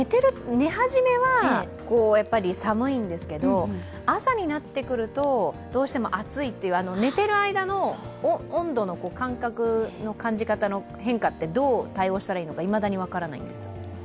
寝始めは寒いんですけど、朝になってくると、どうしても暑いっていう寝てる間の温度の感覚の感じ方の変化ってどう対応したらいいのか、いまだに分からないんです。